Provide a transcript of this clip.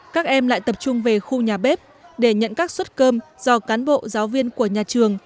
các em lại tập trung về khu nhà bếp để nhận các suất cơm do cán bộ giáo viên của nhà trường